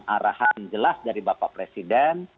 arahan jelas dari bapak presiden